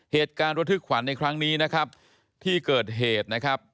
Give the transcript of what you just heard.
เหตุการณ์ระทึกขวัญในครั้งนี้นะครับที่เกิดเหตุนะครับ